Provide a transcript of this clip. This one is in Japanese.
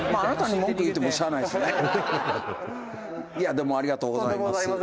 「でもありがとうございます」